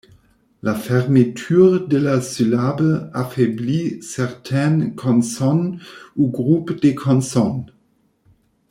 La fermeture de la syllabe affaiblit certaines consonnes ou groupes de consonnes.